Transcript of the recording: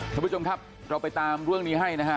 ท่านผู้ชมครับเราไปตามเรื่องนี้ให้นะฮะ